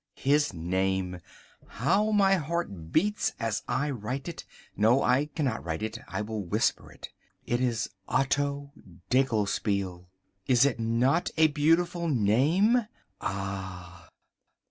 His name—. How my heart beats as I write it—no, I cannot write it, I will whisper it—it is Otto Dinkelspiel. Is it not a beautiful name? Ah!